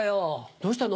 どうしたの？